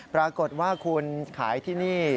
ปรากฏว่าคุณขายที่นี่